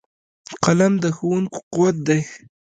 قلم د ښوونکو قوت دی